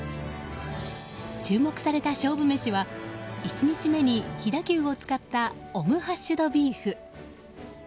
注目された勝負メシは１日目に飛騨牛を使ったオムハッシュドビーフ。